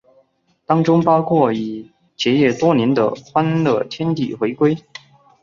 当中包括已结业多年的欢乐天地回归。